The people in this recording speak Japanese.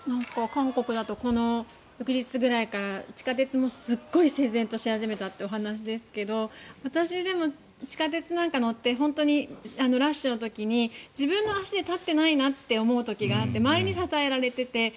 韓国だとこの翌日くらいから地下鉄もすっごい整然とし始めたというお話ですけど私はでも、地下鉄なんか乗って本当にラッシュの時に自分の足で立っていないなって思う時があって周りに支えられていて。